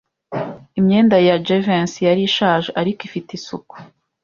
Imyenda ya Jivency yari ishaje, ariko ifite isuku.